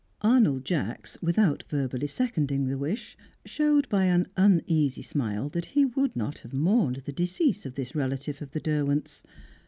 Arnold Jacks, without verbally seconding the wish, showed by an uneasy smile that he would not have mourned the decease of this relative of the Derwents.